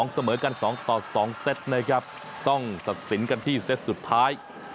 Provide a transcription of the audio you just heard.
เสมอกัน๒ต่อ๒เซตนะครับต้องตัดสินกันที่เซตสุดท้าย